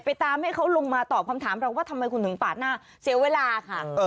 ตามให้เขาลงมาตอบคำถามเราว่าทำไมคุณถึงปาดหน้าเสียเวลาค่ะ